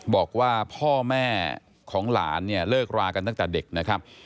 บอกว่าพ่อแม่ของหลานเนี่ยเลิกรากันตั้งแต่เด็กนะครับ